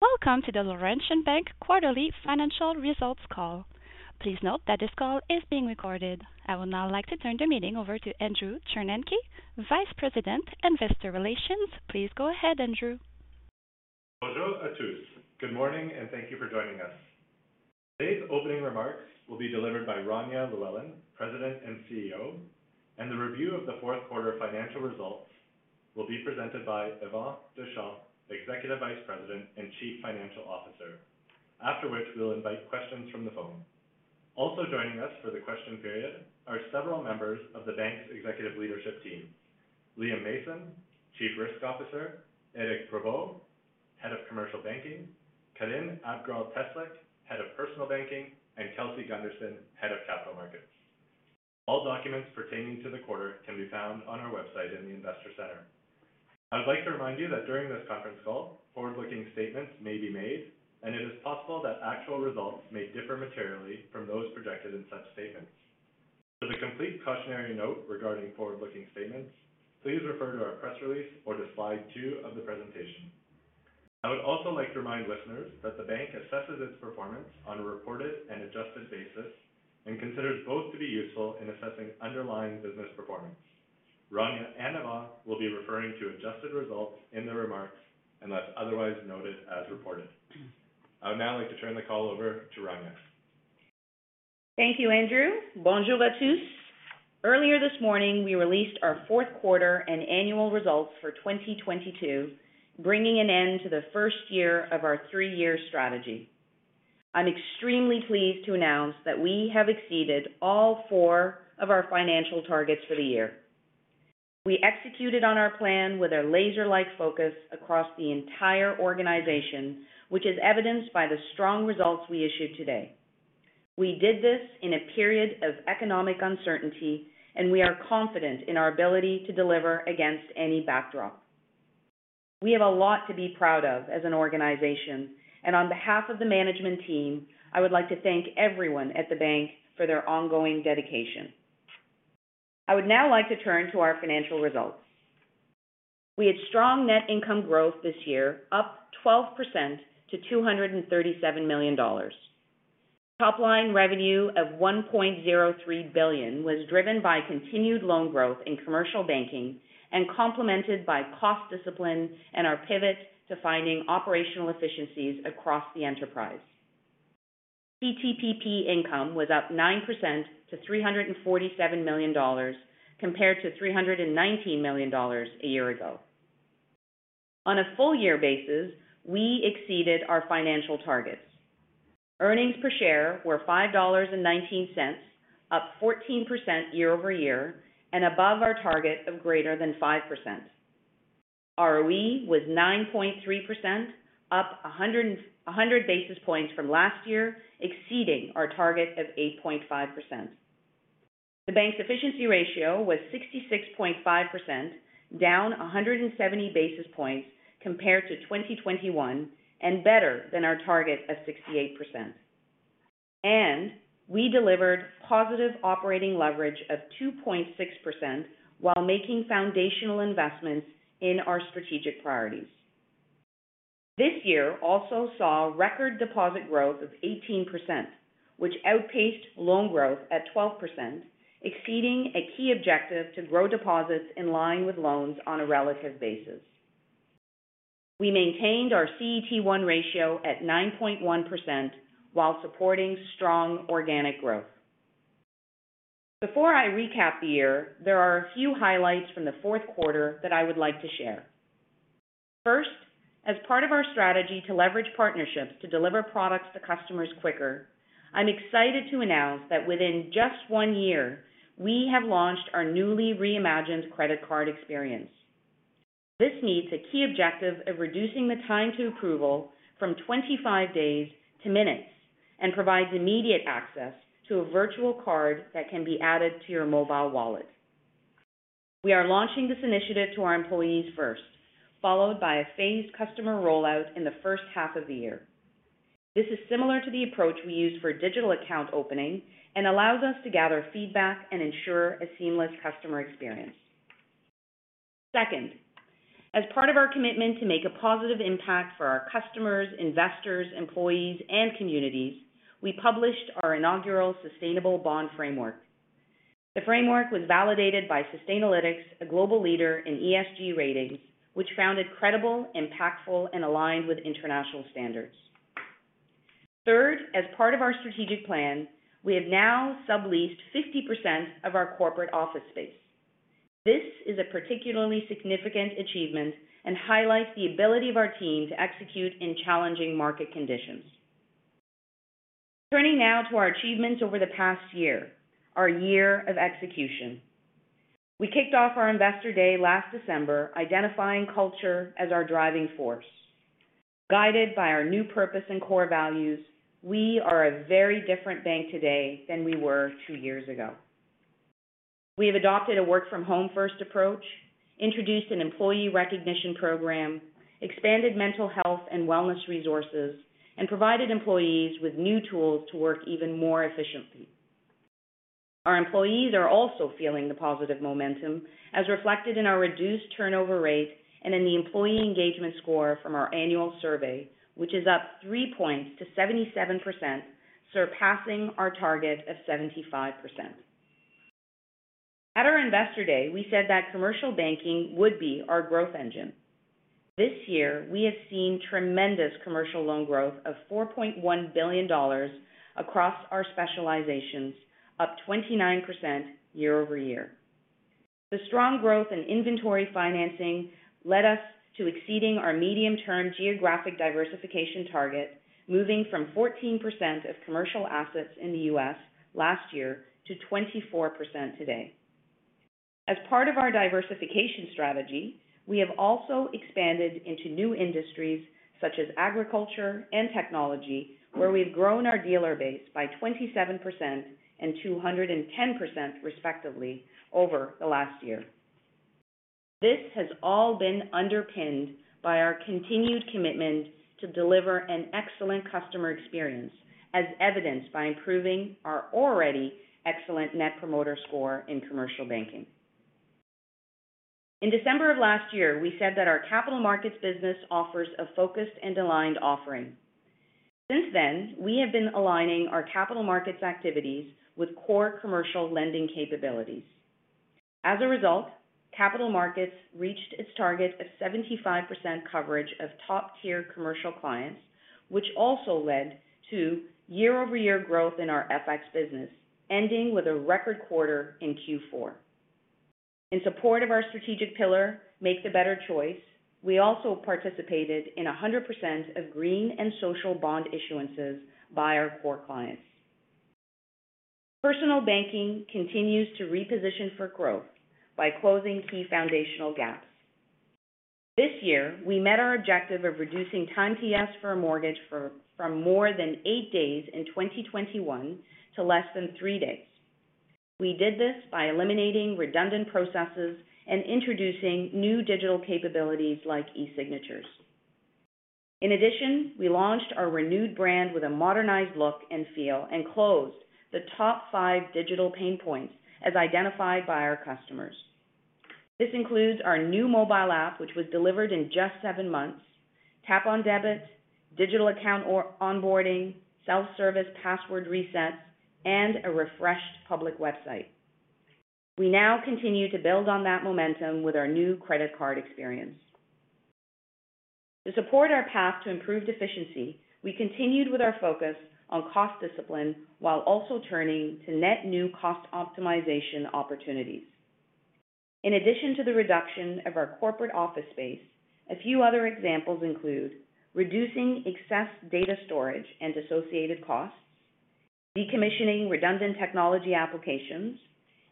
Welcome to the Laurentian Bank quarterly financial results call. Please note that this call is being recorded. I would now like to turn the meeting over to Andrew Chornenky, Vice President, Investor Relations. Please go ahead, Andrew. Bonjour à tous. Good morning, and thank you for joining us. Today's opening remarks will be delivered by Rania Llewellyn, President and CEO, and the review of the fourth quarter financial results will be presented by Yvan Deschamps, Executive Vice President and Chief Financial Officer. Afterwards, we will invite questions from the phone. Also joining us for the question period are several members of the Bank's executive leadership team: Liam Mason, Chief Risk Officer, Éric Provost, Head of Commercial Banking, Karine Abgrall-Teslyk, Head of Personal Banking, and Kelsey Gunderson, Head of Capital Markets. All documents pertaining to the quarter can be found on our website in the Investor Centre. I would like to remind you that during this conference call, forward-looking statements may be made, and it is possible that actual results may differ materially from those projected in such statements. For the complete cautionary note regarding forward-looking statements, please refer to our press release or to Slide 2 of the presentation. I would also like to remind listeners that the Bank assesses its performance on a reported and adjusted basis and considers both to be useful in assessing underlying business performance. Rania and Yvan will be referring to adjusted results in their remarks unless otherwise noted as reported. I would now like to turn the call over to Rania. Thank you, Andrew. Bonjour à tous. Earlier this morning, we released our fourth quarter and annual results for 2022, bringing an end to the first year of our 3-year strategy. I'm extremely pleased to announce that we have exceeded all 4 of our financial targets for the year. We executed on our plan with a laser-like focus across the entire organization, which is evidenced by the strong results we issued today. We did this in a period of economic uncertainty, and we are confident in our ability to deliver against any backdrop. We have a lot to be proud of as an organization, and on behalf of the management team, I would like to thank everyone at the Bank for their ongoing dedication. I would now like to turn to our financial results. We had strong net income growth this year, up 12% to $237 million. Top line revenue of $1.03 billion was driven by continued loan growth in Commercial Banking and complemented by cost discipline and our pivot to finding operational efficiencies across the enterprise. PTPP income was up 9% to $347 million compared to $319 million a year ago. On a full year basis, we exceeded our financial targets. Earnings per share were $5.19, up 14% year-over-year and above our target of greater than 5%. ROE was 9.3%, up 100 basis points from last year, exceeding our target of 8.5%. The Bank's efficiency ratio was 66.5%, down 170 basis points compared to 2021 and better than our target of 68%. We delivered positive operating leverage of 2.6% while making foundational investments in our strategic priorities. This year also saw record deposit growth of 18%, which outpaced loan growth at 12%, exceeding a key objective to grow deposits in line with loans on a relative basis. We maintained our CET1 ratio at 9.1% while supporting strong organic growth. Before I recap the year, there are a few highlights from the fourth quarter that I would like to share. First, as part of our strategy to leverage partnerships to deliver products to customers quicker, I'm excited to announce that within just one year, we have launched our newly reimagined credit card experience. This meets a key objective of reducing the time to approval from 25 days to minutes and provides immediate access to a virtual card that can be added to your mobile wallet. We are launching this initiative to our employees first, followed by a phased customer rollout in the first half of the year. This is similar to the approach we use for digital account opening and allows us to gather feedback and ensure a seamless customer experience. Second, as part of our commitment to make a positive impact for our customers, investors, employees, and communities, we published our inaugural Sustainable Bond Framework. The framework was validated by Sustainalytics, a global leader in ESG ratings, which found it credible, impactful, and aligned with international standards. Third, as part of our strategic plan, we have now subleased 50% of our corporate office space. This is a particularly significant achievement and highlights the ability of our team to execute in challenging market conditions. Turning now to our achievements over the past year, our year of execution. We kicked off our Investor Day last December, identifying culture as our driving force. Guided by our new purpose and core values, we are a very different Bank today than we were two years ago. We have adopted a work from home first approach, introduced an employee recognition program, expanded mental health and wellness resources, and provided employees with new tools to work even more efficiently. Our employees are also feeling the positive momentum as reflected in our reduced turnover rate and in the employee engagement score from our annual survey, which is up three points to 77%, surpassing our target of 75%. At our Investor Day, we said that Commercial Banking would be our growth engine. This year we have seen tremendous commercial loan growth of 4.1 billion dollars across our specializations, up 29% year-over-year. The strong growth in inventory financing led us to exceeding our medium-term geographic diversification target, moving from 14% of commercial assets in the U.S. last year to 24% today. As part of our diversification strategy, we have also expanded into new industries such as agriculture and technology, where we've grown our dealer base by 27% and 210% respectively over the last year. This has all been underpinned by our continued commitment to deliver an excellent customer experience, as evidenced by improving our already excellent net promoter score in Commercial Banking. In December of last year, we said that our Capital Markets business offers a focused and aligned offering. Since then, we have been aligning our Capital Markets activities with core commercial lending capabilities. As a result, Capital Markets reached its target of 75% coverage of top-tier commercial clients, which also led to year-over-year growth in our FX business, ending with a record quarter in Q4. In support of our strategic pillar, Make the Better Choice, we also participated in 100% of green and social bond issuances by our core clients. Personal Banking continues to reposition for growth by closing key foundational gaps. This year, we met our objective of reducing time to ask for a mortgage from more than 8 days in 2021 to less than 3 days. We did this by eliminating redundant processes and introducing new digital capabilities like e-signatures. In addition, we launched our renewed brand with a modernized look and feel, and closed the top five digital pain points as identified by our customers. This includes our new mobile app, which was delivered in just seven months, tap on debit, digital account or onboarding, self-service password resets, and a refreshed public website. We now continue to build on that momentum with our new credit card experience. To support our path to improved efficiency, we continued with our focus on cost discipline while also turning to net new cost optimization opportunities. In addition to the reduction of our corporate office space, a few other examples include reducing excess data storage and associated costs, decommissioning redundant technology applications,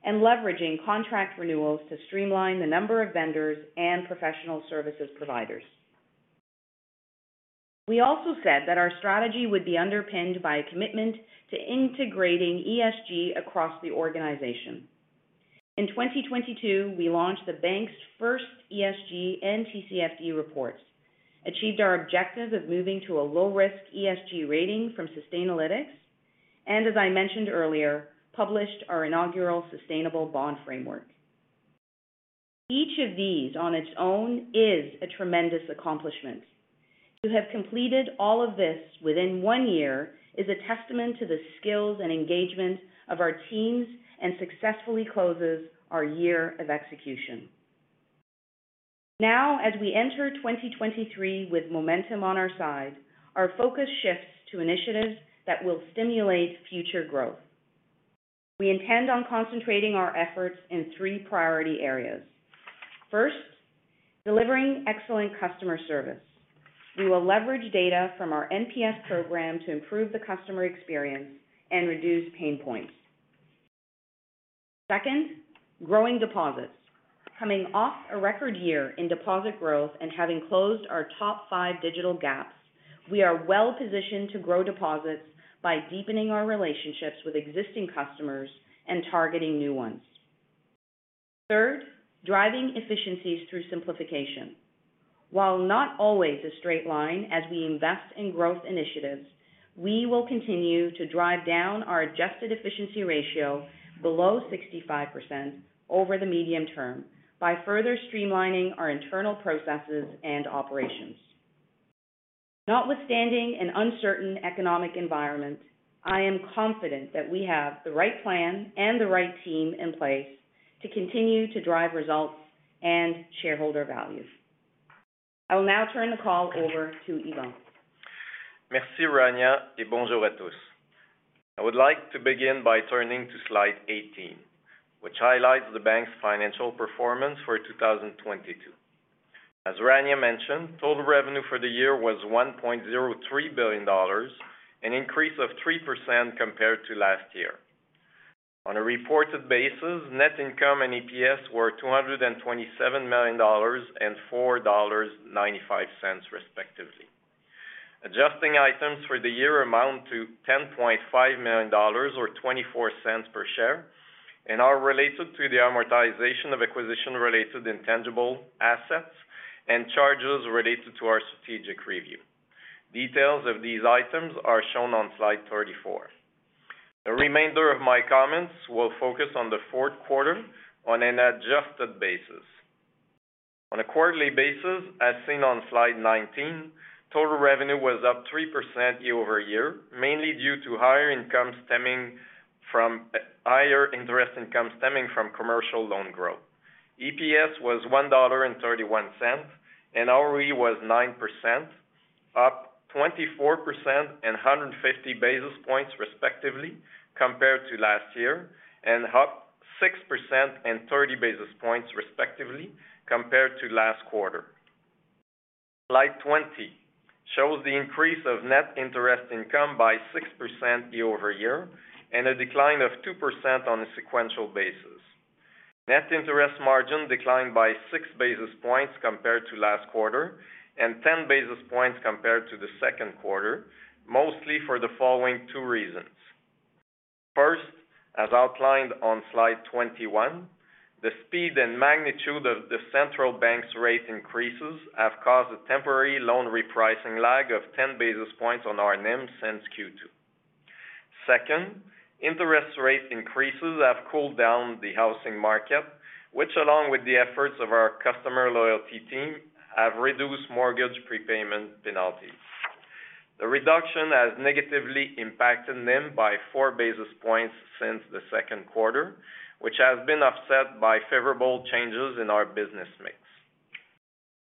and leveraging contract renewals to streamline the number of vendors and professional services providers. We also said that our strategy would be underpinned by a commitment to integrating ESG across the organization. In 2022, we launched the Bank's first ESG and TCFD reports, achieved our objective of moving to a low-risk ESG rating from Sustainalytics. As I mentioned earlier, published our inaugural Sustainable Bond Framework. Each of these on its own is a tremendous accomplishment. To have completed all of this within one year is a testament to the skills and engagement of our teams and successfully closes our year of execution. As we enter 2023 with momentum on our side, our focus shifts to initiatives that will stimulate future growth. We intend on concentrating our efforts in three priority areas. First, delivering excellent customer service. We will leverage data from our NPS program to improve the customer experience and reduce pain points. Second, growing deposits. Coming off a record year in deposit growth and having closed our top five digital gaps, we are well-positioned to grow deposits by deepening our relationships with existing customers and targeting new ones. Third, driving efficiencies through simplification. While not always a straight line as we invest in growth initiatives, we will continue to drive down our adjusted efficiency ratio below 65% over the medium term by further streamlining our internal processes and operations. Notwithstanding an uncertain economic environment, I am confident that we have the right plan and the right team in place to continue to drive results and shareholder value. I will now turn the call over to Yvan. Merci, Rania, bonjour à tous. I would like to begin by turning to Slide 18, which highlights the Bank's financial performance for 2022. As Rania mentioned, total revenue for the year was 1.03 billion dollars, an increase of 3% compared to last year. On a reported basis, net income and EPS were 227 million dollars and 4.95 dollars, respectively. Adjusting items for the year amount to 10.5 million dollars or 0.24 per share, and are related to the amortization of acquisition-related intangible assets and charges related to our strategic review. Details of these items are shown on Slide 34. The remainder of my comments will focus on the fourth quarter on an adjusted basis. On a quarterly basis, as seen on Slide 19, total revenue was up 3% year-over-year, mainly due to higher interest income stemming from commercial loan growth. EPS was 1.31 dollar, and ROE was 9%, up 24% and 150 basis points respectively, compared to last year, and up 6% and 30 basis points respectively, compared to last quarter. Slide 20 shows the increase of net interest income by 6% year-over-year and a decline of 2% on a sequential basis. Net interest margin declined by 6 basis points compared to last quarter and 10 basis points compared to the second quarter, mostly for the following two reasons. First, as outlined on Slide 21, the speed and magnitude of the central Bank's rate increases have caused a temporary loan repricing lag of 10 basis points on our NIM since Q2. Second, interest rate increases have cooled down the housing market, which along with the efforts of our customer loyalty team, have reduced mortgage prepayment penalties. The reduction has negatively impacted NIM by 4 basis points since the second quarter, which has been offset by favorable changes in our business mix.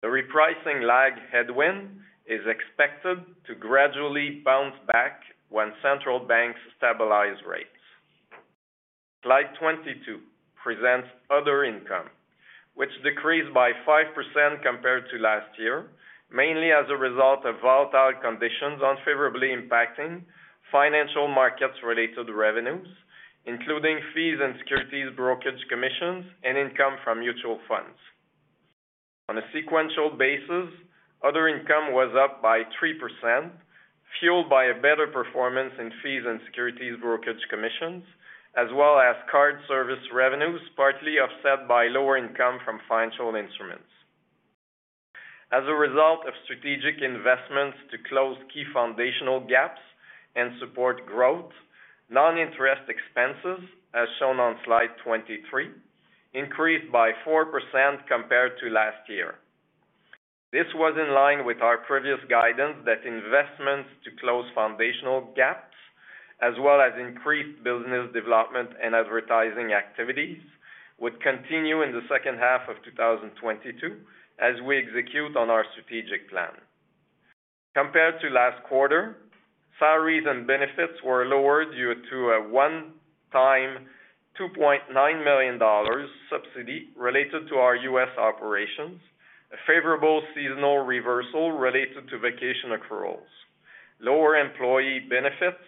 The repricing lag headwind is expected to gradually bounce back when central Banks stabilize rates. Slide 22 presents Other Income, which decreased by 5% compared to last year, mainly as a result of volatile conditions unfavorably impacting financial markets-related revenues, including fees and securities brokerage commissions and income from mutual funds. On a sequential basis, Other Income was up by 3%, fueled by a better performance in fees and securities brokerage commissions, as well as card service revenues, partly offset by lower income from financial instruments. As a result of strategic investments to close key foundational gaps and support growth, non-interest expenses, as shown on Slide 23, increased by 4% compared to last year. This was in line with our previous guidance that investments to close foundational gaps, as well as increased business development and advertising activities, would continue in the second half of 2022 as we execute on our strategic plan. Compared to last quarter, salaries and benefits were lower due to a one-time, 2.9 million dollars subsidy related to our U.S. operations, a favorable seasonal reversal related to vacation accruals, lower employee benefits,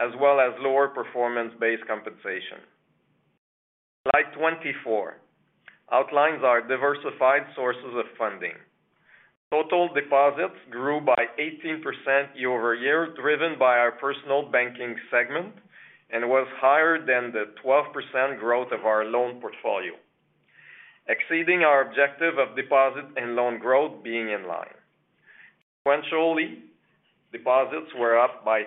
as well as lower performance-based compensation. Slide 24 outlines our diversified sources of funding. Total deposits grew by 18% year-over-year, driven by our Personal Banking segment, and was higher than the 12% growth of our loan portfolio, exceeding our objective of deposit and loan growth being in line. Sequentially, deposits were up by 2%.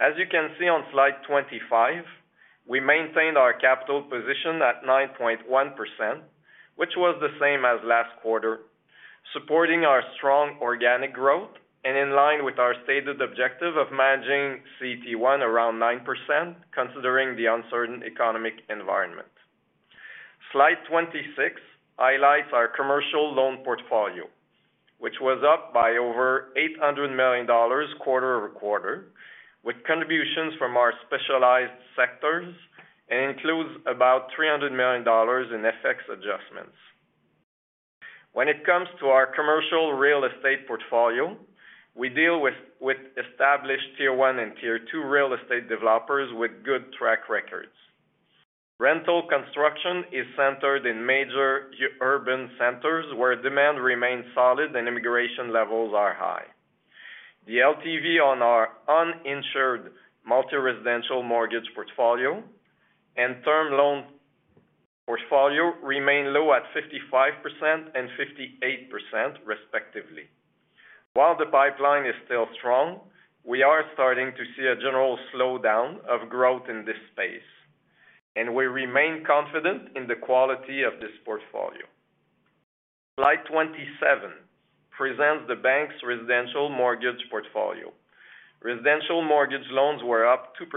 As you can see on Slide 25, we maintained our capital position at 9.1%, which was the same as last quarter, supporting our strong organic growth and in line with our stated objective of managing CET1 around 9%, considering the uncertain economic environment. Slide 26 highlights our commercial loan portfolio, which was up by over 800 million dollars quarter-over-quarter, with contributions from our specialized sectors and includes about $300 million in FX adjustments. When it comes to our commercial real estate portfolio, we deal with established Tier 1 and Tier 2 real estate developers with good track records. Rental construction is centered in major urban centers where demand remains solid and immigration levels are high. The LTV on our uninsured multi-residential mortgage portfolio and term loan portfolio remain low at 55% and 58% respectively. While the pipeline is still strong, we are starting to see a general slowdown of growth in this space, and we remain confident in the quality of this portfolio. Slide 27 presents the Bank's residential mortgage portfolio. Residential mortgage loans were up 2%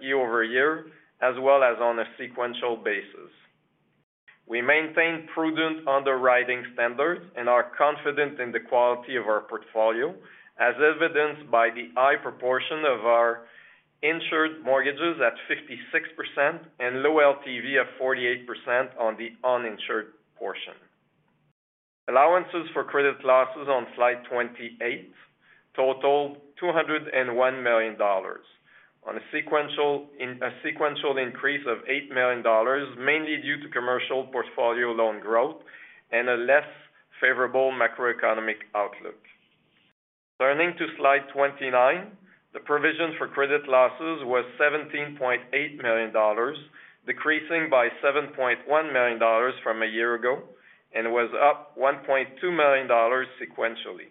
year-over-year, as well as on a sequential basis. We maintain prudent underwriting standards and are confident in the quality of our portfolio, as evidenced by the high proportion of our insured mortgages at 56% and low LTV of 48% on the uninsured portion. Allowances for credit losses on Slide 28 totaled $201 million on a sequential increase of $8 million, mainly due to commercial portfolio loan growth and a less favorable macroeconomic outlook. Turning to Slide 29. The provision for credit losses was $17.8 million, decreasing by $7.1 million from a year ago, and was up $1.2 million sequentially.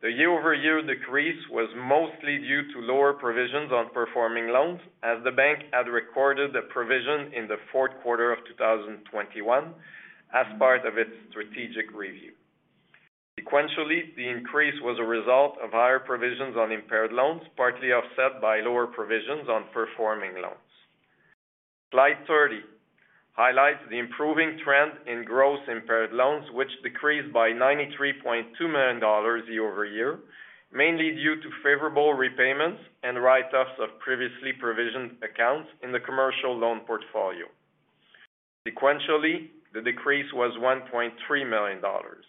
The year-over-year decrease was mostly due to lower provisions on performing loans, as the Bank had recorded a provision in the fourth quarter of 2021 as part of its strategic review. Sequentially, the increase was a result of higher provisions on impaired loans, partly offset by lower provisions on performing loans. Slide 30 highlights the improving trend in gross impaired loans, which decreased by 93.2 million dollars year-over-year, mainly due to favorable repayments and write-offs of previously provisioned accounts in the commercial loan portfolio. Sequentially, the decrease was 1.3 million dollars.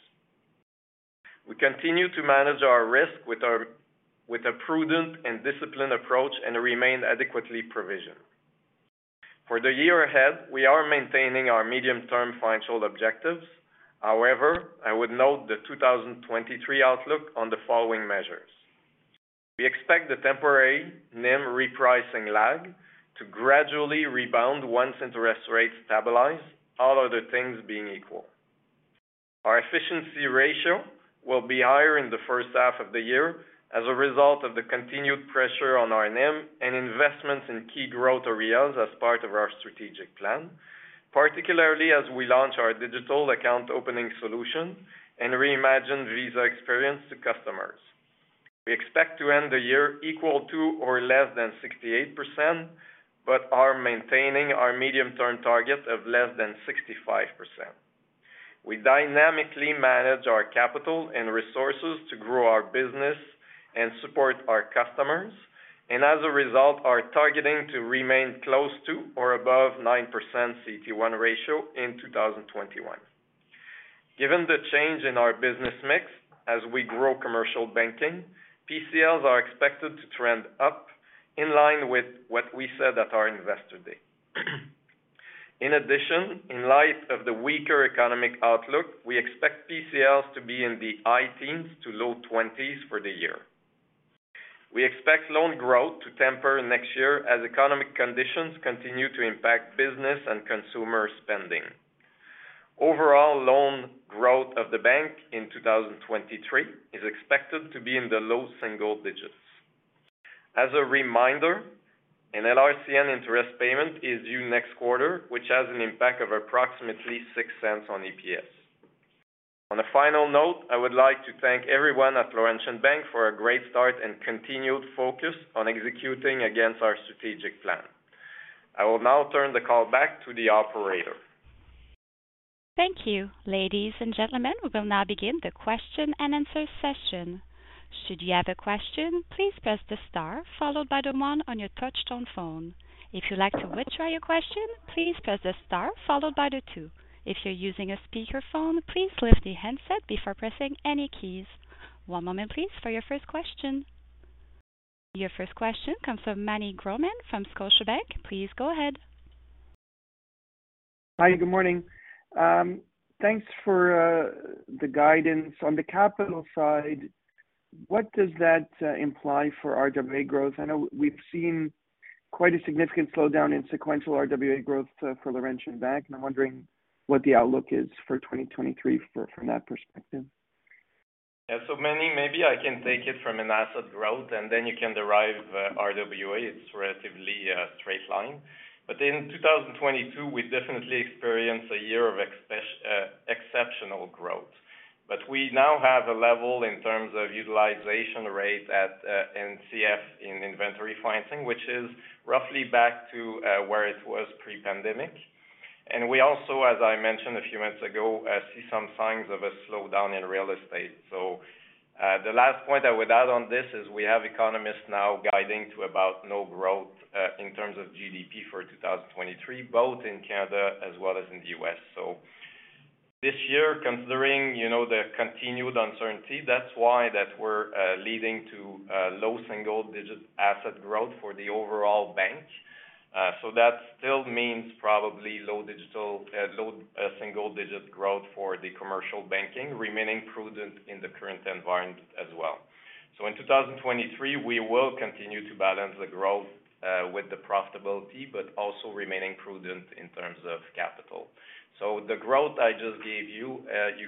We continue to manage our risk with a prudent and disciplined approach and remain adequately provisioned. For the year ahead, we are maintaining our medium-term financial objectives. However, I would note the 2023 outlook on the following measures. We expect the temporary NIM repricing lag to gradually rebound once interest rates stabilize, all other things being equal. Our efficiency ratio will be higher in the first half of the year as a result of the continued pressure on our NIM and investments in key growth areas as part of our strategic plan, particularly as we launch our digital account opening solution and reimagine Visa experience to customers. We expect to end the year equal to or less than 68%, but are maintaining our medium-term target of less than 65%. We dynamically manage our capital and resources to grow our business and support our customers, and as a result, are targeting to remain close to or above 9% CET1 ratio in 2021. Given the change in our business mix as we grow Commercial Banking, PCLs are expected to trend up in line with what we said at our Investor Day. In addition, in light of the weaker economic outlook, we expect PCLs to be in the high teens to low 20s for the year. We expect loan growth to temper next year as economic conditions continue to impact business and consumer spending. Overall loan growth of the Bank in 2023 is expected to be in the low single digits. As a reminder, an LRCN interest payment is due next quarter, which has an impact of approximately $0.06 on EPS. On a final note, I would like to thank everyone at Laurentian Bank for a great start and continued focus on executing against our strategic plan. I will now turn the call back to the operator. Thank you. Ladies and gentlemen, we will now begin the question-and-answer session. Should you have a question, please press the star followed by the one on your touchtone phone. If you'd like to withdraw your question, please press the star followed by the two. If you're using a speakerphone, please lift the handset before pressing any keys. One moment please for your first question. Your first question comes from Meny Grauman from Scotiabank. Please go ahead. Hi, good morning. Thanks for the guidance. On the capital side, what does that imply for RWA growth? I know we've seen quite a significant slowdown in sequential RWA growth for Laurentian Bank, and I'm wondering what the outlook is for 2023 from that perspective. Yeah. Meny, maybe I can take it from an asset growth and then you can derive RWA. It's relatively a straight line. In 2022, we definitely experienced a year of exceptional growth. We now have a level in terms of utilization rate at in NCF in inventory financing, which is roughly back to where it was pre-pandemic. We also, as I mentioned a few months ago, see some signs of a slowdown in real estate. The last point I would add on this is we have economists now guiding to about no growth in terms of GDP for 2023, both in Canada as well as in the U.S. This year, considering, you know, the continued uncertainty, that's why that we're leading to low single digit asset growth for the overall Bank. That still means probably low single digit growth for the Commercial Banking, remaining prudent in the current environment as well. In 2023, we will continue to balance the growth with the profitability, but also remaining prudent in terms of capital. The growth I just gave you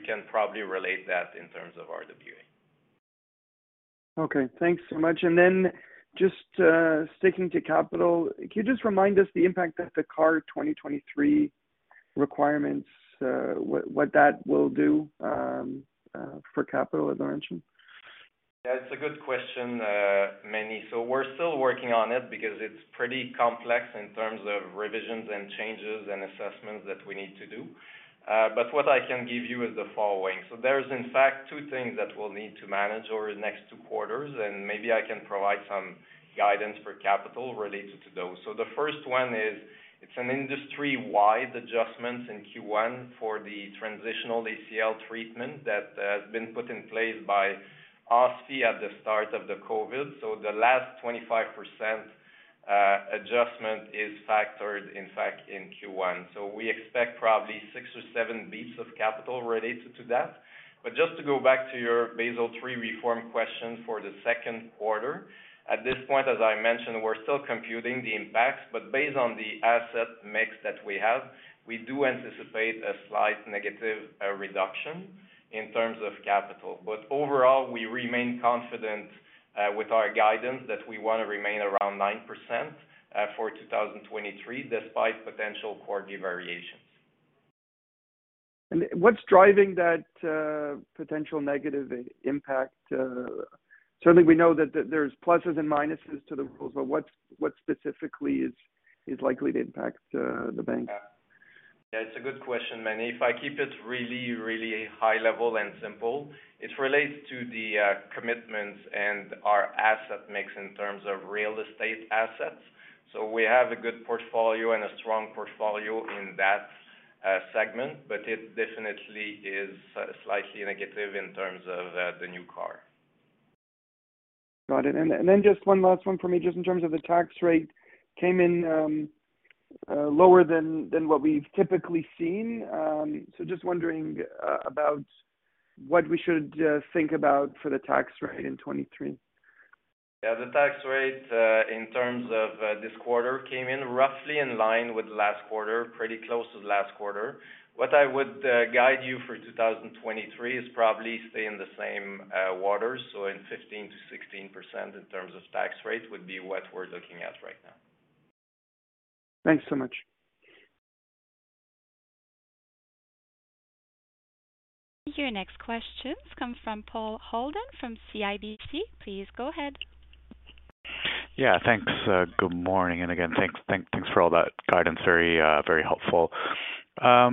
can probably relate that in terms of RWA. Okay, thanks so much. Just sticking to capital, can you just remind us the impact that the CAR 2023 requirements, what that will do for capital at Laurentian? Yeah, it's a good question, Meny. We're still working on it because it's pretty complex in terms of revisions and changes and assessments that we need to do. What I can give you is the following. There's in fact two things that we'll need to manage over the next two quarters, and maybe I can provide some guidance for capital related to those. The first one is, it's an industry-wide adjustment in Q1 for the transitional ACL treatment that has been put in place by OSFI at the start of the COVID. The last 25% adjustment is factored in fact in Q1. We expect probably 6 or 7 beats of capital related to that. Just to go back to your Basel III reform question for the second quarter. At this point, as I mentioned, we're still computing the impacts, but based on the asset mix that we have, we do anticipate a slight negative reduction in terms of capital. Overall, we remain confident with our guidance that we want to remain around 9% for 2023, despite potential quarter variations. What's driving that, potential negative impact? Certainly we know that there's pluses and minuses to the rules, but what specifically is likely to impact, the Bank? Yeah, it's a good question, Meny. If I keep it really, really high level and simple, it relates to the commitments and our asset mix in terms of real estate assets. We have a good portfolio and a strong portfolio in that segment, but it definitely is slightly negative in terms of the new CAR. Got it. Just 1 last one for me, just in terms of the tax rate came in, lower than what we've typically seen. Just wondering about what we should think about for the tax rate in 2023. Yeah. The tax rate, in terms of, this quarter came in roughly in line with last quarter, pretty close to last quarter. What I would, guide you for 2023 is probably stay in the same, water. In 15%-16% in terms of tax rate would be what we're looking at right now. Thanks so much. Your next questions come from Paul Holden from CIBC. Please go ahead. Yeah, thanks. Good morning. Again, thank you for all that guidance. Very, very helpful. I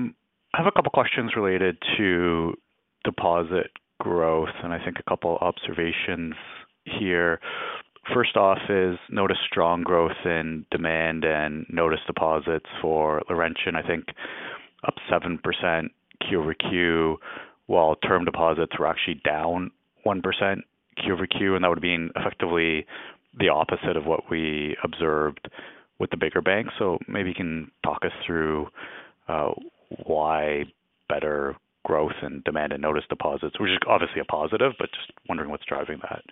have a couple of questions related to deposit growth. I think a couple observations here. First off is notice strong growth in demand and notice deposits for Laurentian Bank, I think up 7% Q over Q, while term deposits were actually down 1% Q over Q. That would have been effectively the opposite of what we observed with the bigger Banks. Maybe you can talk us through why better growth and demand and notice deposits, which is obviously a positive, but just wondering what's driving that.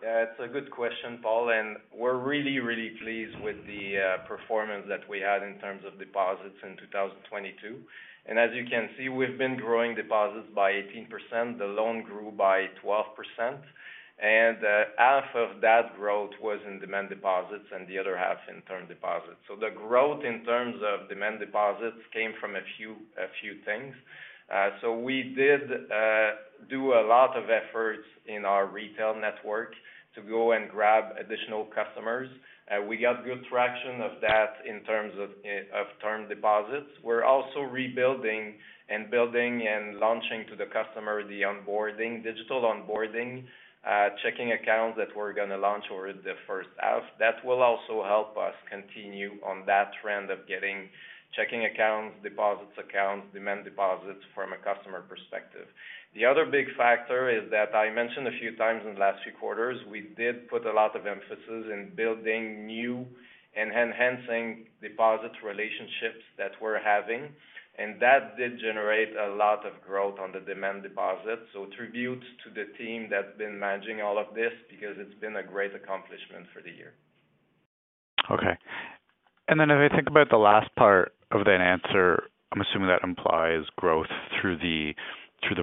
It's a good question, Paul, and we're really, really pleased with the performance that we had in terms of deposits in 2022. As you can see, we've been growing deposits by 18%. The loan grew by 12%, and half of that growth was in demand deposits and the other half in term deposits. The growth in terms of demand deposits came from a few things. We did a lot of efforts in our retail network to go and grab additional customers. We got good traction of that in terms of term deposits. We're also building and launching to the customer the onboarding, digital onboarding, checking accounts that we're gonna launch over the first half. That will also help us continue on that trend of getting checking accounts, deposits accounts, demand deposits from a customer perspective. The other big factor is that I mentioned a few times in the last few quarters, we did put a lot of emphasis in building new and enhancing deposit relationships that we're having, and that did generate a lot of growth on the demand deposit. Tribute to the team that's been managing all of this because it's been a great accomplishment for the year. Okay. Then if I think about the last part of that answer, I'm assuming that implies growth through the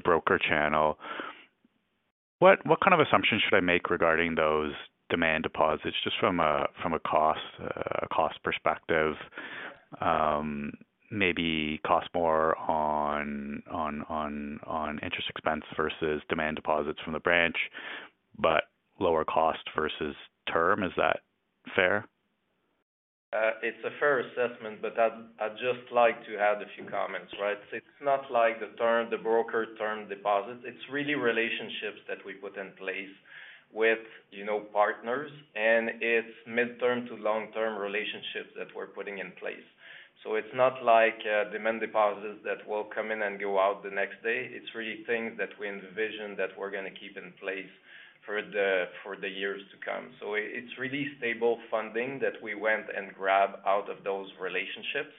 broker channel. What kind of assumptions should I make regarding those demand deposits just from a cost perspective? Maybe cost more on interest expense versus demand deposits from the branch, lower cost versus term. Is that fair? It's a fair assessment, but I'd just like to add a few comments, right? It's not like the term, the broker term deposit. It's really relationships that we put in place with, you know, partners, and it's midterm to long-term relationships that we're putting in place. It's not like demand deposits that will come in and go out the next day. It's really things that we envision that we're gonna keep in place for the, for the years to come. It's really stable funding that we went and grabbed out of those relationships,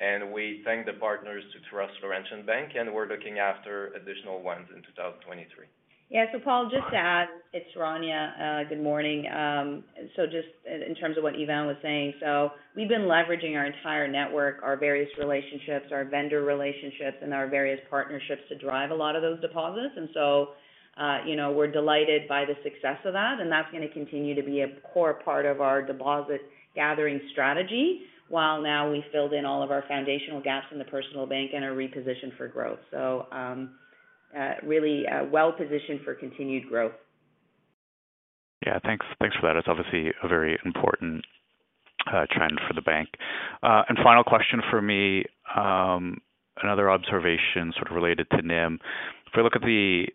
and we thank the partners to trust Laurentian Bank, and we're looking after additional ones in 2023. Yeah. Paul, just to add, it's Rania. Good morning. Just in terms of what Yvan was saying. We've been leveraging our entire network, our various relationships, our vendor relationships, and our various partnerships to drive a lot of those deposits. You know, we're delighted by the success of that, and that's gonna continue to be a core part of our deposit gathering strategy, while now we filled in all of our foundational gaps in the personal Bank and are repositioned for growth. Really, well-positioned for continued growth. Thanks for that. It's obviously a very important trend for the Bank. Final question for me, another observation sort of related to NIM. If we look at the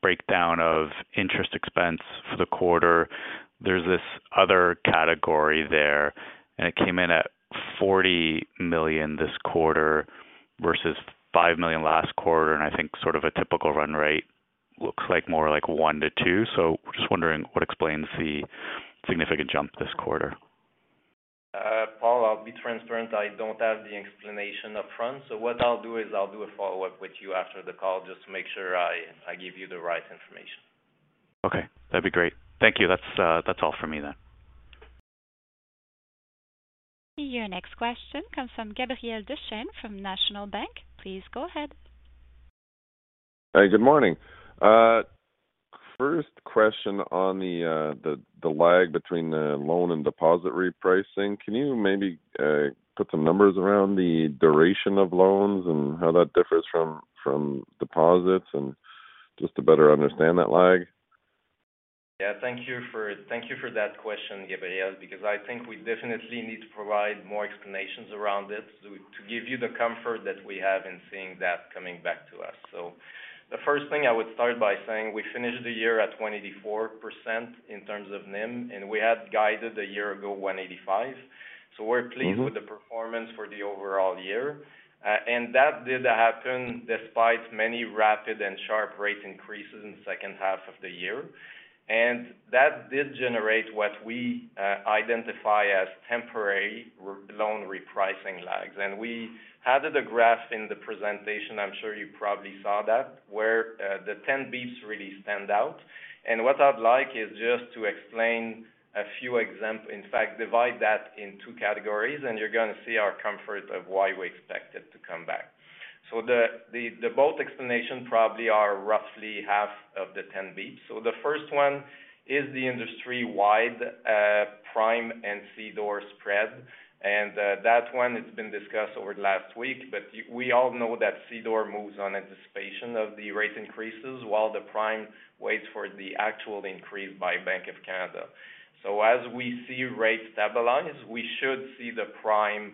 breakdown of interest expense for the quarter, there's this other category there, and it came in at 40 million this quarter versus 5 million last quarter, and I think sort of a typical run rate. Looks like more like 1 million-2 million. Just wondering what explains the significant jump this quarter. Paul, I'll be transparent. I don't have the explanation upfront. What I'll do is I'll do a follow-up with you after the call just to make sure I give you the right information. Okay, that'd be great. Thank you. That's all for me then. Your next question comes from Gabriel Dechaine from National Bank. Please go ahead. Hey, good morning. First question on the lag between the loan and deposit repricing. Can you maybe put some numbers around the duration of loans and how that differs from deposits and just to better understand that lag? Yeah, thank you for that question, Gabriel, because I think we definitely need to provide more explanations around it to give you the comfort that we have in seeing that coming back to us. The first thing I would start by saying, we finished the year at 1.84% in terms of NIM, and we had guided a year ago 1.85%. We're pleased. With the performance for the overall year. That did happen despite many rapid and sharp rate increases in second half of the year. That did generate what we identify as temporary loan repricing lags. We added a graph in the presentation, I'm sure you probably saw that, where the 10 basis points really stand out. What I'd like is just to explain a few in fact, divide that in two categories, and you're gonna see our comfort of why we expect it to come back. The both explanation probably are roughly half of the 10 basis points. The first one is the industry-wide prime and CDOR spread. That one, it's been discussed over the last week, but we all know that CDOR moves on anticipation of the rate increases while the prime waits for the actual increase by Bank of Canada. As we see rates stabilize, we should see the prime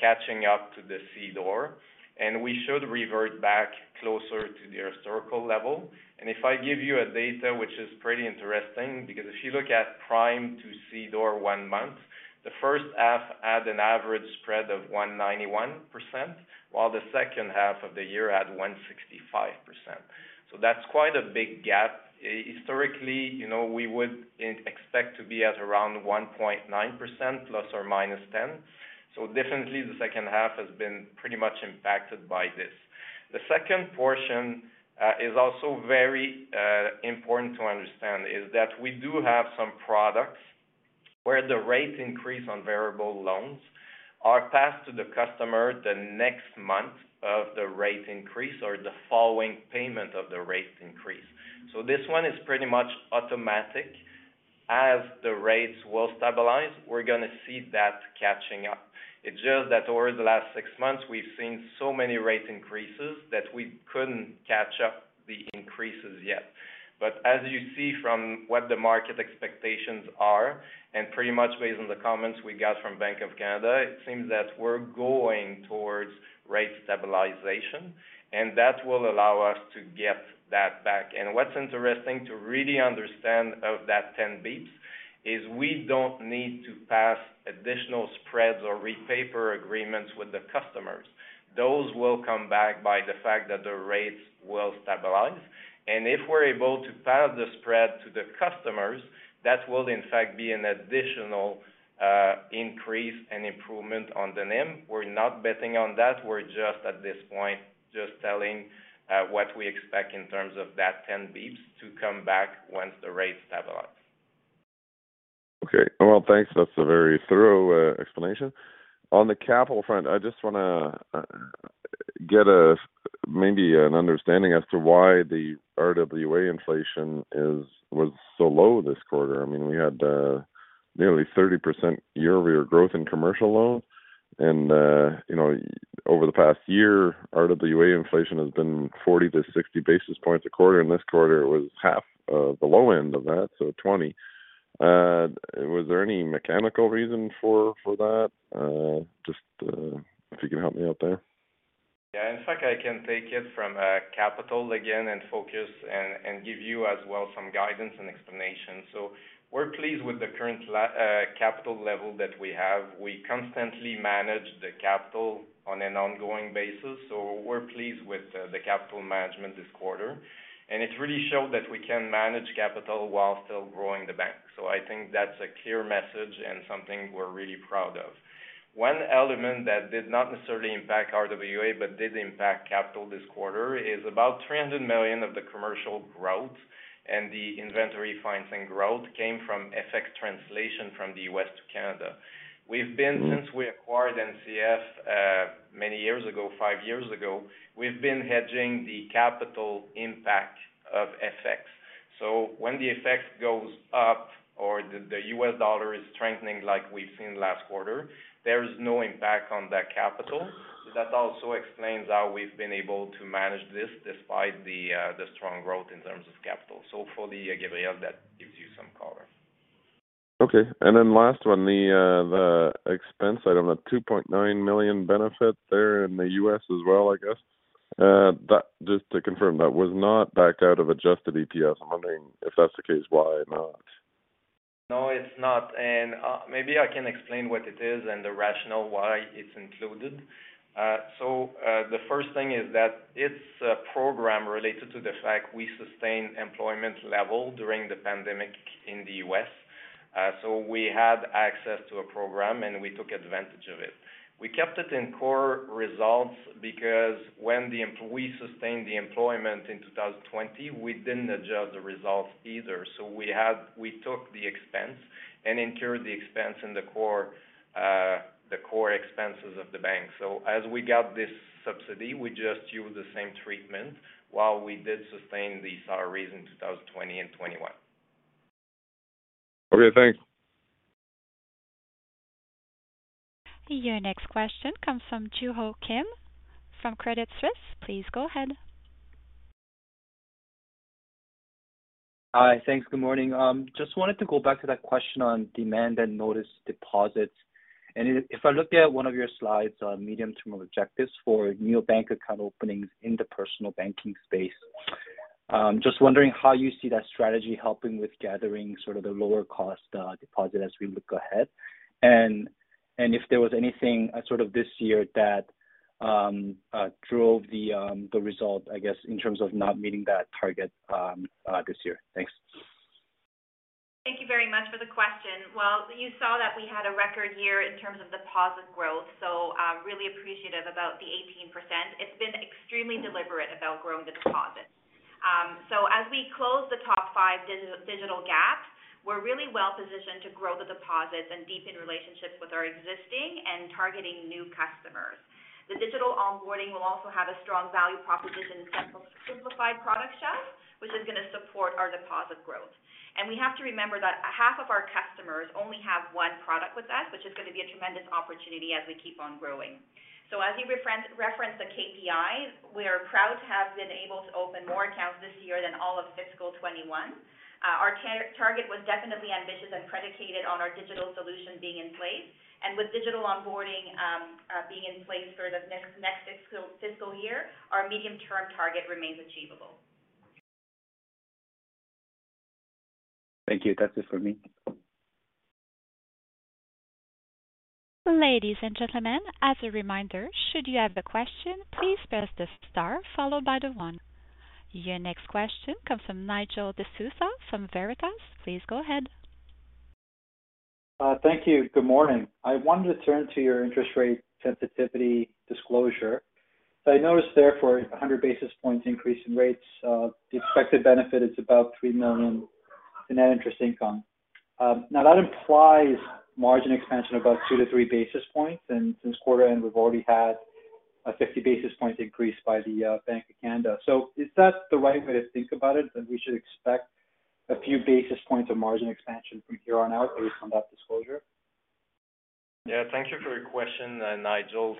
catching up to the CDOR, and we should revert back closer to the historical level. If I give you a data, which is pretty interesting, because if you look at prime to CDOR 1 month, the first half had an average spread of 1.91%, while the second half of the year had 1.65%. That's quite a big gap. Historically, you know, we would expect to be at around 1.9% ±10. Definitely the second half has been pretty much impacted by this. The second portion, is also very important to understand, is that we do have some products where the rate increase on variable loans are passed to the customer the next month of the rate increase or the following payment of the rate increase. This one is pretty much automatic. As the rates will stabilize, we're going to see that catching up. It's just that over the last six months, we've seen so many rate increases that we couldn't catch up the increases yet. As you see from what the market expectations are, and pretty much based on the comments we got from Bank of Canada, it seems that we're going towards rate stabilization, and that will allow us to get that back. What's interesting to really understand of that 10 basis points is we don't need to pass additional spreads or repaper agreements with the customers. Those will come back by the fact that the rates will stabilize. If we're able to pass the spread to the customers, that will in fact be an additional increase and improvement on the NIM. We're not betting on that. We're just at this point, just telling what we expect in terms of that 10 basis points to come back once the rates stabilize. Okay. Well, thanks. That's a very thorough explanation. On the capital front, I just wanna get a, maybe an understanding as to why the RWA inflation is, was so low this quarter. I mean, we had nearly 30% year-over-year growth in commercial loans. You know, over the past year, RWA inflation has been 40 to 60 basis points a quarter. In this quarter, it was half of the low end of that, so 20. Was there any mechanical reason for that? Just, if you can help me out there. Yeah. In fact, I can take it from capital again and focus and give you as well some guidance and explanation. We're pleased with the current capital level that we have. We constantly manage the capital on an ongoing basis, so we're pleased with the capital management this quarter. It really showed that we can manage capital while still growing the Bank. I think that's a clear message and something we're really proud of. One element that did not necessarily impact RWA, but did impact capital this quarter is about $300 million of the commercial growth and the inventory financing growth came from FX translation from the U.S. to Canada. We've been since we acquired NCF, many years ago, five years ago, we've been hedging the capital impact of FX. When the FX goes up or the U.S. dollar is strengthening like we've seen last quarter, there is no impact on that capital. That also explains how we've been able to manage this despite the strong growth in terms of capital. For you, Gabriel, that gives you some color. Okay. Last one, the expense item, the $2.9 million benefit there in the U.S. as well, I guess. That just to confirm, that was not backed out of adjusted EPS. I'm wondering if that's the case, why not? No, it's not. Maybe I can explain what it is and the rationale why it's included. The first thing is that it's a program related to the fact we sustained employment level during the pandemic in the U.S. We had access to a program, and we took advantage of it. We kept it in core results because when the employee sustained the employment in 2020, we didn't adjust the results either. We took the expense and incurred the expense in the core, the core expenses of the Bank. As we got this subsidy, we just used the same treatment while we did sustain the salaries in 2020 and 2021. Okay, thanks. Your next question comes from Joo Ho Kim from Credit Suisse. Please go ahead. Hi. Thanks. Good morning. Just wanted to go back to that question on demand and notice deposits. If I look at one of your Slides on medium term objectives for new Bank account openings in the Personal Banking space, just wondering how you see that strategy helping with gathering sort of the lower cost deposit as we look ahead, if there was anything sort of this year that drove the result, I guess, in terms of not meeting that target this year? Thanks. Thank you very much for the question. You saw that we had a record year in terms of deposit growth, so really appreciative about the 18%. It's been extremely deliberate about growing the deposits. As we close the top five digital gap, we're really well-positioned to grow the deposits and deepen relationships with our existing and targeting new customers. The digital onboarding will also have a strong value proposition and simplified product shelf, which is gonna support our deposit growth. We have to remember that half of our customers only have one product with us, which is gonna be a tremendous opportunity as we keep on growing. As you referenced the KPIs, we are proud to have been able to open more accounts this year than all of fiscal 2021. Our target was definitely ambitious and predicated on our digital solution being in place. With digital onboarding, being in place for the next fiscal year, our medium-term target remains achievable. Thank you. That's it for me. Ladies and gentlemen, as a reminder, should you have a question, please press the star followed by the one. Your next question comes from Nigel D'Souza from Veritas. Please go ahead. Thank you. Good morning. I wanted to turn to your interest rate sensitivity disclosure. I noticed there for 100 basis points increase in rates, the expected benefit is about $3 million in net interest income. Now that implies margin expansion about 2-3 basis points. Since quarter end, we've already had a 50 basis points increase by the Bank of Canada. Is that the right way to think about it, that we should expect a few basis points of margin expansion from here on out based on that disclosure? Yeah. Thank you for your question, Nigel.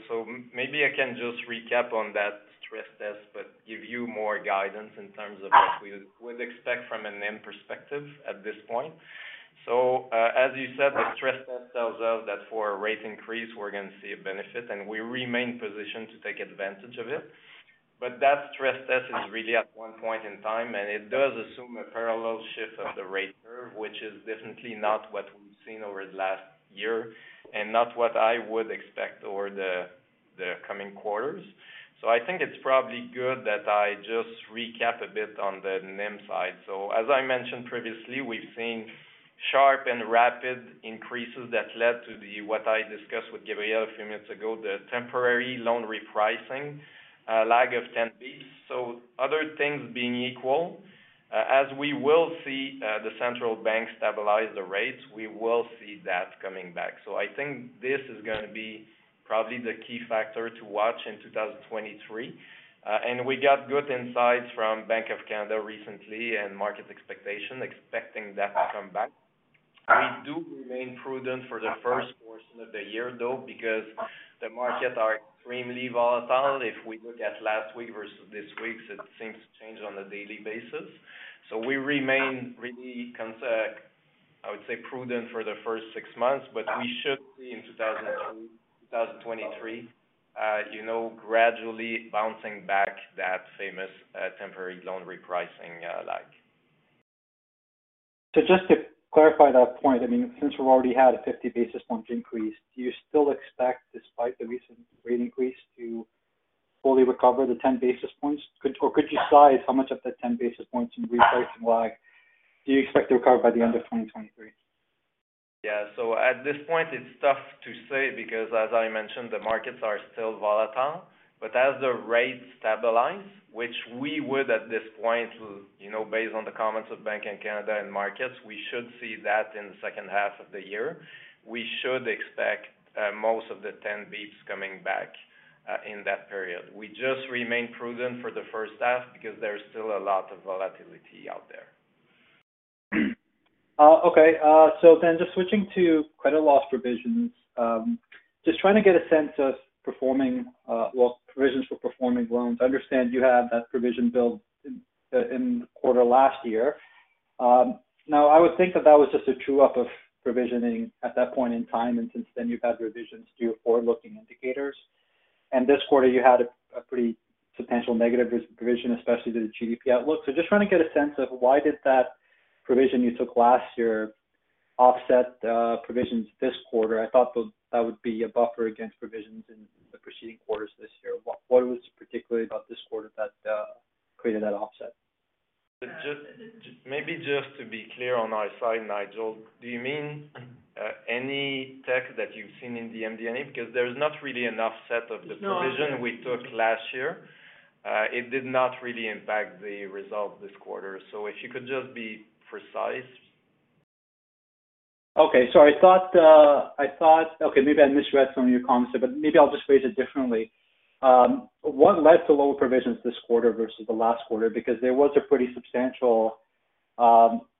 Maybe I can just recap on that stress test, but give you more guidance in terms of what we would expect from an NIM perspective at this point. As you said, the stress test tells us that for a rate increase, we're gonna see a benefit, and we remain positioned to take advantage of it. That stress test is really at one point in time, and it does assume a parallel shift of the rate curve, which is definitely not what we've seen over the last year and not what I would expect over the coming quarters. I think it's probably good that I just recap a bit on the NIM side. As I mentioned previously, we've seen sharp and rapid increases that led to the, what I discussed with Gabriel a few minutes ago, the temporary loan repricing lag of 10 basis points. Other things being equal, as we will see the central Bank stabilize the rates, we will see that coming back. I think this is going to be probably the key factor to watch in 2023. And we got good insights from Bank of Canada recently and market expectation expecting that to come back. We do remain prudent for the first portion of the year though, because the markets are extremely volatile. If we look at last week versus this week, it seems to change on a daily basis. We remain I would say prudent for the first 6 months, we should see in 2023, you know, gradually bouncing back that famous, temporary loan repricing, lag. Just to clarify that point, I mean, since we've already had a 50 basis points increase, do you still expect, despite the recent rate increase, to fully recover the 10 basis points? Or could you size how much of the 10 basis points in repricing lag do you expect to recover by the end of 2023? Yeah. At this point it's tough to say because as I mentioned, the markets are still volatile. As the rates stabilize, which we would at this point, you know, based on the comments of Bank of Canada and markets, we should see that in the second half of the year. We should expect most of the 10 basis points coming back in that period. We just remain prudent for the first half because there's still a lot of volatility out there. Okay. Just switching to credit loss provisions, trying to get a sense of performing, well, provisions for performing loans. I understand you have that provision build in in the quarter last year. Now I would think that that was just a true-up of provisioning at that point in time, since then you've had revisions to your forward-looking indicators. This quarter you had a pretty substantial negative provision, especially to the GDP outlook. Just trying to get a sense of why did that provision you took last year offset the provisions this quarter. I thought that would be a buffer against provisions in the preceding quarters this year. What was particularly about this quarter that created that offset? Just maybe just to be clear on our side, Nigel. Do you mean any tech that you've seen in the MD&A? Because there's not really enough set of the provision we took last year. It did not really impact the results this quarter. If you could just be precise. Okay. I thought. Okay, maybe I misread some of your comments there, but maybe I'll just phrase it differently. What led to lower provisions this quarter versus the last quarter? There was a pretty substantial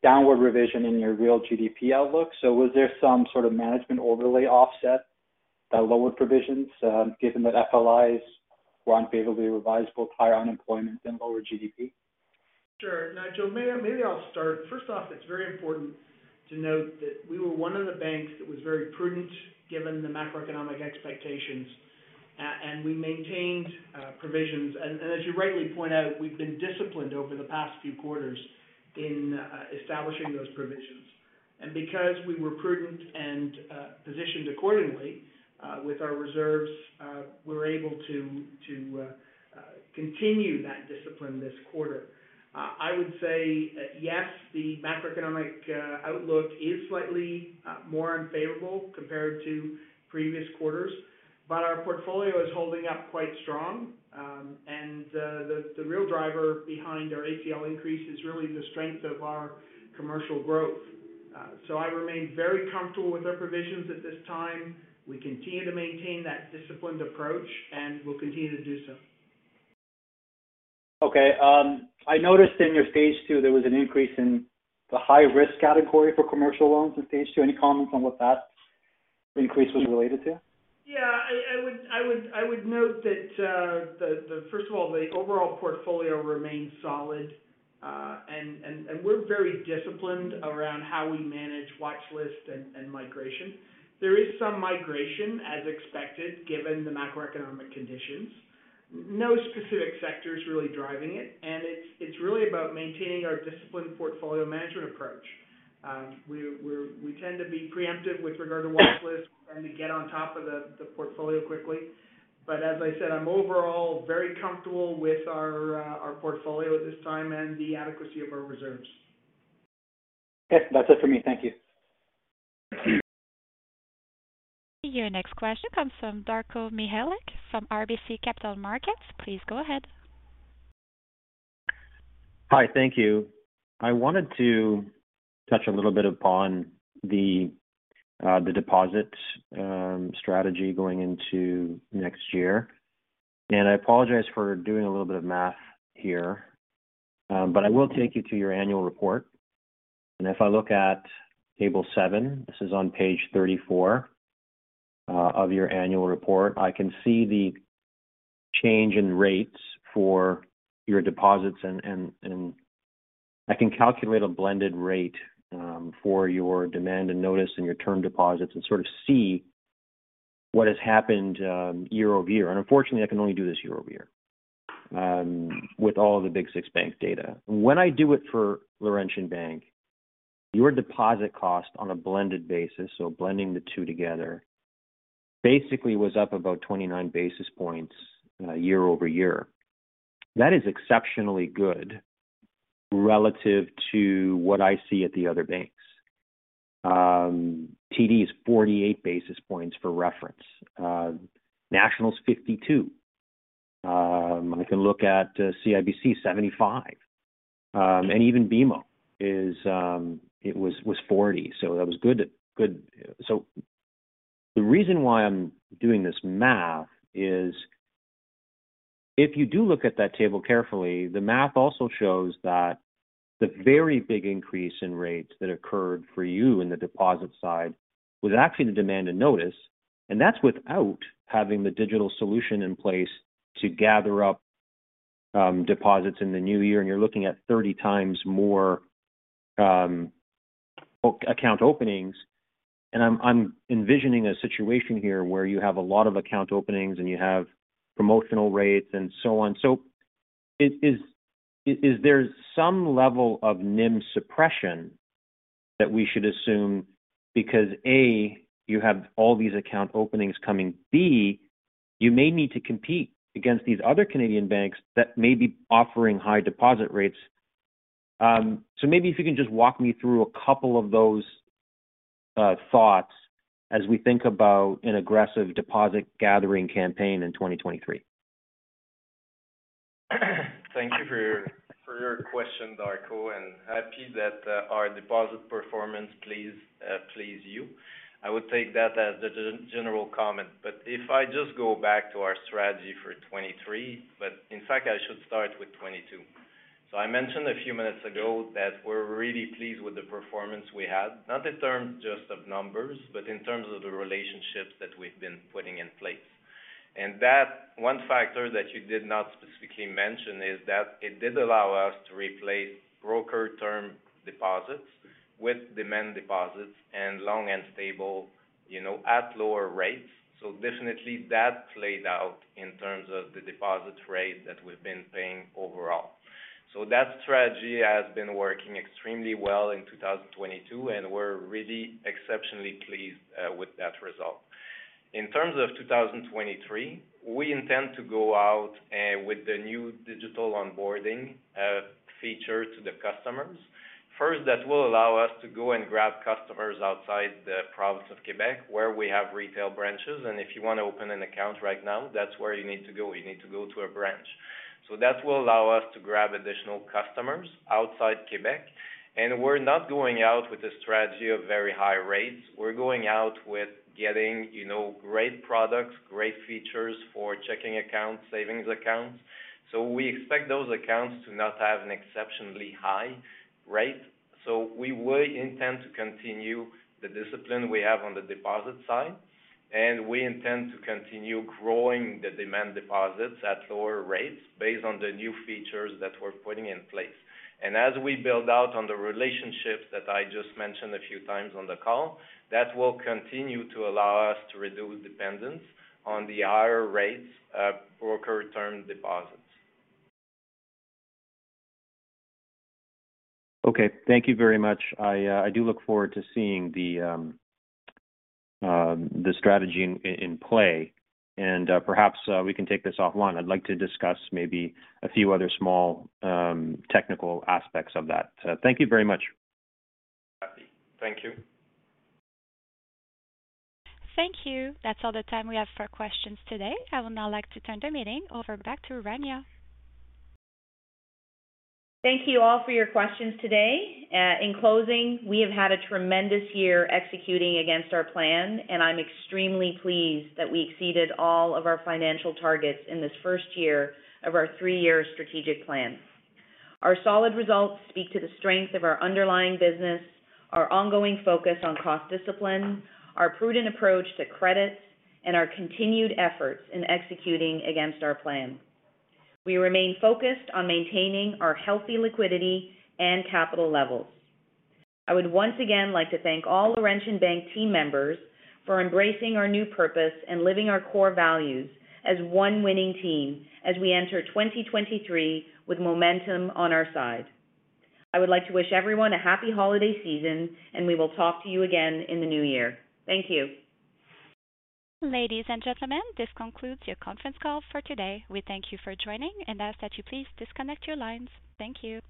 downward revision in your real GDP outlook. Was there some sort of management overlay offset that lowered provisions, given that FLIs were unfavorably revised, both higher unemployment and lower GDP? Sure. Nigel, maybe I'll start. First off, it's very important to note that we were one of the Banks that was very prudent given the macroeconomic expectations and we maintained provisions. As you rightly point out, we've been disciplined over the past few quarters in establishing those provisions. Because we were prudent and positioned accordingly, with our reserves, we're able to continue that discipline this quarter. I would say that, yes, the macroeconomic outlook is slightly more unfavorable compared to previous quarters, but our portfolio is holding up quite strong. The real driver behind our ACL increase is really the strength of our commercial growth. I remain very comfortable with our provisions at this time. We continue to maintain that disciplined approach, and we'll continue to do so. Okay. I noticed in your stage two there was an increase in the high-risk category for commercial loans in phase two. Any comments on what that increase was related to? I would note that, first of all, the overall portfolio remains solid. We're very disciplined around how we manage watchlist and migration. There is some migration as expected, given the macroeconomic conditions. No specific sector is really driving it, and it's really about maintaining our disciplined portfolio management approach. We tend to be preemptive with regard to watchlist and we get on top of the portfolio quickly. As I said, I'm overall very comfortable with our portfolio at this time and the adequacy of our reserves. Okay. That's it for me. Thank you. Thank you. Your next question comes from Darko Mihelic, from RBC Capital Markets. Please go ahead. Hi. Thank you. I wanted to touch a little bit upon the deposit strategy going into next year. I apologize for doing a little bit of math here. But I will take you to your annual report. If I look at table 7, this is on page 34 of your annual report. I can see the change in rates for your deposits and I can calculate a blended rate for your demand and notice and your term deposits and sort of see what has happened year-over-year. Unfortunately, I can only do this year-over-year with all the big six Banks data. When I do it for Laurentian Bank, your deposit cost on a blended basis, so blending the two together, basically was up about 29 basis points year-over-year. That is exceptionally good relative to what I see at the other Banks. TD is 48 basis points for reference. National is 52. I can look at CIBC, 75. Even BMO was 40, so that was good. The reason why I'm doing this math is if you do look at that table carefully, the math also shows that the very big increase in rates that occurred for you in the deposit side was actually the demand and notice, and that's without having the digital account opening in place to gather up deposits in the new year, and you're looking at 30 times more account openings. I'm envisioning a situation here where you have a lot of account openings and you have promotional rates and so on. Is there some level of NIM suppression that we should assume because, A, you have all these account openings coming? B, you may need to compete against these other Canadian Banks that may be offering high deposit rates. Maybe if you can just walk me through a couple of those thoughts as we think about an aggressive deposit gathering campaign in 2023? Thank you for your question, Darko, and happy that our deposit performance please you. I would take that as the general comment. If I just go back to our strategy for 2023, in fact I should start with 2022. I mentioned a few minutes ago that we're really pleased with the performance we had, not in terms just of numbers, but in terms of the relationships that we've been putting in place. That one factor that you did not specifically mention is that it did allow us to replace broker term deposits with demand deposits and long and stable. You know, at lower rates. Definitely that played out in terms of the deposit rate that we've been paying overall. That strategy has been working extremely well in 2022, and we're really exceptionally pleased with that result. In terms of 2023, we intend to go out with the new digital onboarding feature to the customers. First, that will allow us to go and grab customers outside the province of Quebec where we have retail branches. If you wanna open an account right now, that's where you need to go. You need to go to a branch. That will allow us to grab additional customers outside Quebec. We're not going out with a strategy of very high rates. We're going out with getting, you know, great products, great features for checking accounts, savings accounts. We expect those accounts to not have an exceptionally high rate. We will intend to continue the discipline we have on the deposit side. We intend to continue growing the demand deposits at lower rates based on the new features that we're putting in place. As we build out on the relationships that I just mentioned a few times on the call, that will continue to allow us to reduce dependence on the higher rates of broker term deposits. Okay, thank you very much. I do look forward to seeing the strategy in play. Perhaps we can take this offline. I'd like to discuss maybe a few other small technical aspects of that. Thank you very much. Thank you. Thank you. That's all the time we have for questions today. I would now like to turn the meeting over back to Rania. Thank you all for your questions today. In closing, we have had a tremendous year executing against our plan, and I'm extremely pleased that we exceeded all of our financial targets in this first year of our three-year strategic plan. Our solid results speak to the strength of our underlying business, our ongoing focus on cost discipline, our prudent approach to credits, and our continued efforts in executing against our plan. We remain focused on maintaining our healthy liquidity and capital levels. I would once again like to thank all Laurentian Bank team members for embracing our new purpose and living our core values as one winning team as we enter 2023 with momentum on our side. I would like to wish everyone a happy holiday season, and we will talk to you again in the new year. Thank you. Ladies and gentlemen, this concludes your conference call for today. We thank you for joining and ask that you please disconnect your lines. Thank you.